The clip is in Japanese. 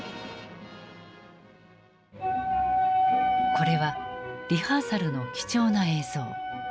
これはリハーサルの貴重な映像。